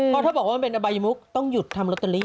พ่อพ่อบอกว่าเป็นอบายมุกต้องหยุดทำรถอรี